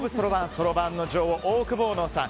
そろばんの女王オオクボーノさん。